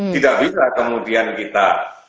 tidak bisa kemudian kita